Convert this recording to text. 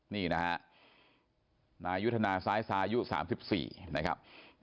นี่นะฮะนายุทธนาซ้ายทรายุ๓๔นะครับ